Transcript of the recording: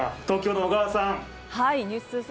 東京の小川さん。